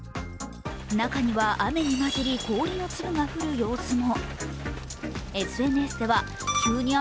中には、雨にまじり氷の粒が降る様子も。